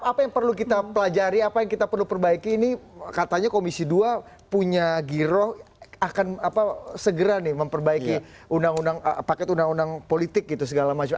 apa yang perlu kita pelajari apa yang kita perlu perbaiki ini katanya komisi dua punya giroh akan segera nih memperbaiki paket undang undang politik gitu segala macam